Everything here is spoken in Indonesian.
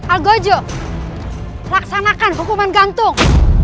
algojo laksanakan hukuman gantung